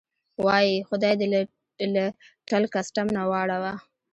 وایي: خدای دې له ټل کسټم نه واړوه.